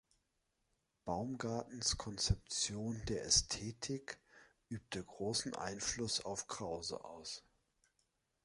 Baumgartens Konzeption der Ästhetik übte großen Einfluss auf Krause aus.